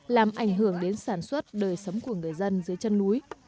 làm ảnh hưởng đến sản xuất đời sống của người dân dưới chân núi